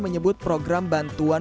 menyebut program bantuan